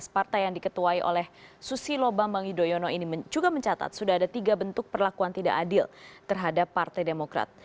partai yang diketuai oleh susilo bambang yudhoyono ini juga mencatat sudah ada tiga bentuk perlakuan tidak adil terhadap partai demokrat